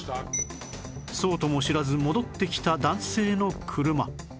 そうとも知らず戻ってきた男性の車